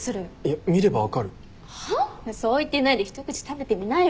そう言ってないで一口食べてみなよ。